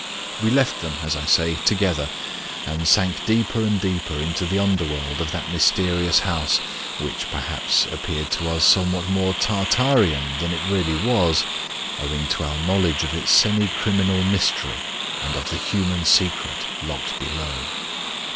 We left them, as I say, together, and sank deeper and deeper into the under world of that mysterious house, which, perhaps, appeared to us somewhat more Tartarean than it really was, owing to our knowledge of its semi criminal mystery and of the human secret locked below.